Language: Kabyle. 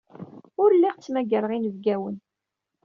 Ur lliɣ ttmagareɣ inebgawen.